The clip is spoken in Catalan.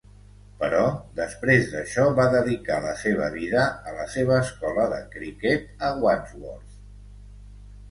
Però després d"això va dedicar la seva vida a la seva escola de criquet a Wandsworth.